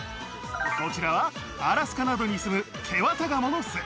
こちらはアラスカなどにすむケワタガモの巣。